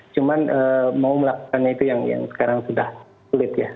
cuma mau melakukannya itu yang sekarang sudah sulit ya